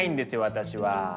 私は。